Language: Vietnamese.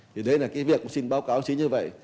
thì đấy là cái việc xin báo cáo chính như vậy